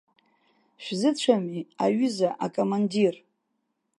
Шәзыцәами, аҩыза акомандир!